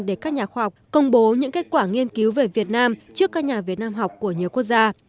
để các nhà khoa học công bố những kết quả nghiên cứu về việt nam trước các nhà việt nam học của nhiều quốc gia